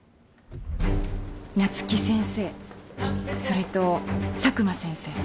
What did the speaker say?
夏樹先生それと佐久間先生。